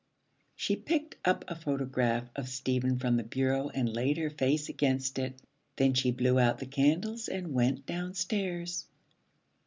She picked up a photograph of Stephen from the bureau and laid her face against it. Then she blew out the candles and went downstairs.